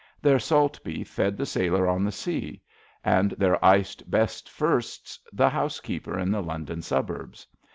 Their salt beef fed the sailor on the sea, and their iced, best firsts, the house keeper in the London suburbs.